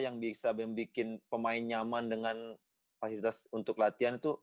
yang bisa membuat pemain nyaman dengan fasilitas untuk latihan itu